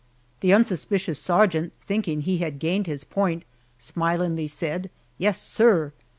The unsuspicious sergeant, thinking he had gained his point, smilingly said, "Yes, sir!"